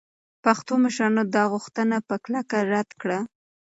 پښتنو مشرانو دا غوښتنه په کلکه رد کړه.